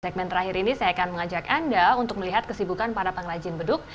segmen terakhir ini saya akan mengajak anda untuk melihat kesibukan para pengrajin beduk